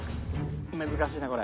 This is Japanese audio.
難しいなこれ。